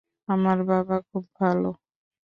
আমার বাবা খুব ভালো।